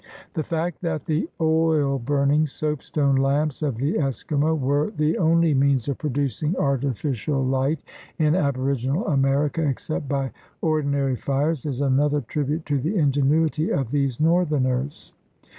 The fact that the oil burning, soapstone lamps of the Eskimo were the only means of producing artificial light in abori ginal America, except by ordinary fires, is another tribute to the ingenuity of these northerners.